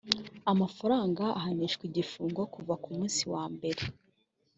amafaranga ahanishwa igifungo kuva kumunsi wambere